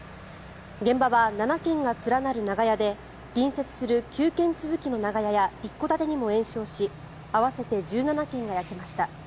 現場は７軒が連なる長屋で隣接する９軒続きの長屋や一戸建てにも延焼し合わせて１７軒が焼けました。